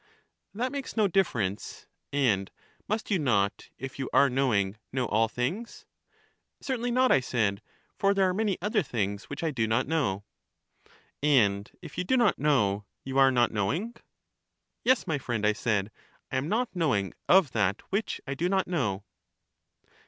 That makes no difference ;— and must you not, if you are knowing, know all things? Certainly not, I said, for there are many other things which I do not know. And if you do not know, you are not knowing. Yes, my friend, I said, I am not knowing of that which I do not know.